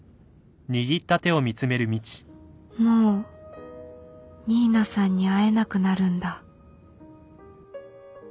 もう新名さんに会えなくなるんだ